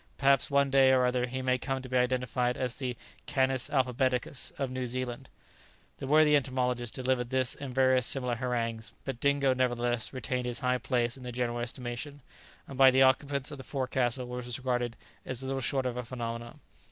Perhaps one day or other he may come to be identified as the 'canis alphabeticus' of New Zealand." The worthy entomologist delivered this and various similar harangues; but Dingo, nevertheless, retained his high place in the general estimation, and by the occupants of the forecastle was regarded as little short of a phenomenon.